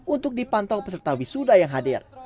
untuk dipantau peserta wisuda yang hadir